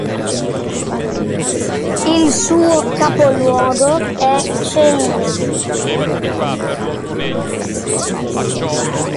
Il suo capoluogo è Celina.